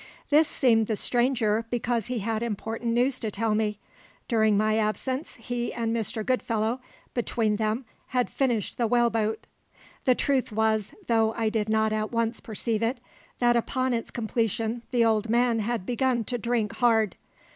This seemed the stranger because he had important news to tell me. During my absence he and Mr. Goodfellow between them had finished the whaleboat. The truth was though I did not at once perceive it that upon its completion the old man had begun to drink hard.